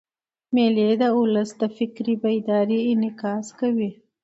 مېلې د اولس د فکري بیدارۍ انعکاس کوي.